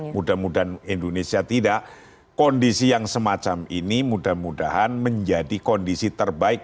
mudah mudahan indonesia tidak kondisi yang semacam ini mudah mudahan menjadi kondisi terbaik